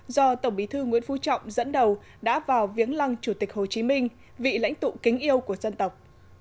do tổng bí thư nguyễn phú trọng dẫn đầu đã vào viếng lăng chủ tịch hồ chí minh vị lãnh tụ kính yêu của dân tộc